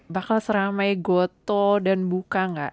bakal seramai goto dan buka nggak